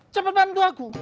coba bantu aku